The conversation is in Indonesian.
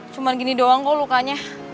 cuma gini doang kok lukanya